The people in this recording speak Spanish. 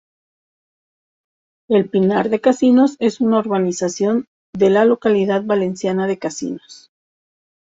El Pinar de Casinos es una urbanización de la localidad valenciana de Casinos.